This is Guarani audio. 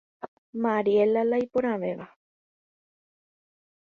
Mariela la iporãvéva.